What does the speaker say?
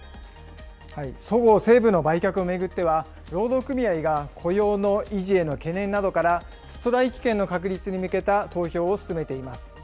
そごう・西武の売却を巡っては、労働組合が雇用の維持への懸念などから、ストライキ権の確立に向けた投票をすすめています。